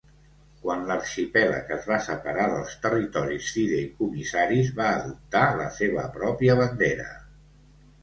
Quan l'arxipèlag es va separar dels territoris fideïcomissaris va adoptar la seva pròpia bandera.